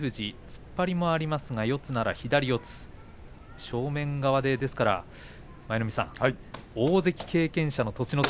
突っ張りがありますが四つなら左四つ正面側、ですから舞の海さん、大関経験者の栃ノ